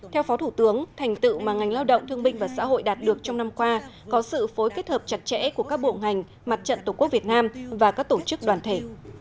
theo phó thủ tướng thành tựu mà ngành lao động thương minh và xã hội đạt được trong năm qua có sự phối kết hợp chặt chẽ của các bộ ngành mặt trận tổ quốc việt nam và các tổ chức đoàn thể